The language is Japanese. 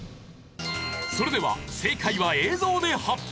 それでは正解は映像で発表。